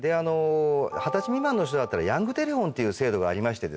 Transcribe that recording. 二十歳未満の人だったらヤング・テレホンっていう制度がありまして。